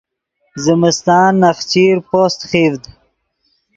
زمستان نخچیر پوست خیڤد